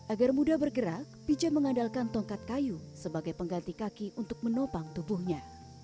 agar mudah bergerak pija mengandalkan tongkat kayu sebagai pengganti kaki untuk menopang tubuhnya